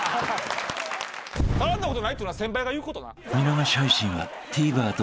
絡んだことないっていうのは先輩が言うことな。